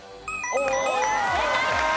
正解！